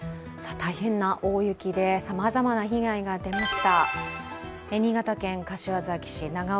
大変な大雪でさまざまな被害が出ました。